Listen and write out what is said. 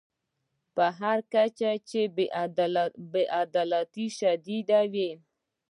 په هر کچه چې بې عدالتي شدیده وي.